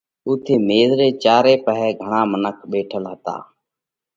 اُوٿئہ ميز رئہ چاري پاهي گھڻا منک ٻيٺل هتا۔